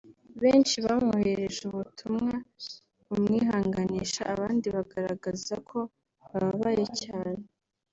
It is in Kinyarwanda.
benshi bamwoherereje ubutumwa bumwihanganisha abandi bagaragaza ko bababaye cyane